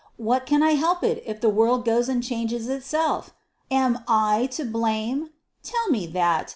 What can I help it, if the world goes and changes itself? Am I to blame? tell me that.